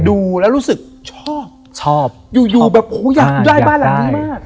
ดูแล้วรู้สึกชอบชอบอยู่อยู่แบบโอ้โหอยากได้บ้านหลังนี้มาก